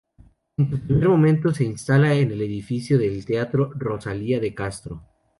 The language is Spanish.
En un primer momento se instala en el edificio del Teatro Rosalía de Castro.